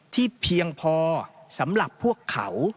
เพียงพอสำหรับพวกเขา